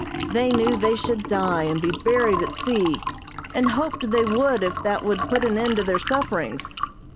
They knew they should die and be buried at sea, and hoped they would if that would put an end to their sufferings.